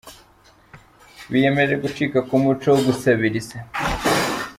Biyemeje gucika ku muco wo gusabiriza